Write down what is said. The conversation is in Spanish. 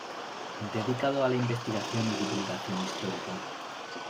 Dedicado a la investigación y divulgación histórica.